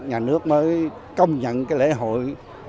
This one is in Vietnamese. nhà nước mới công nhận cái lễ hội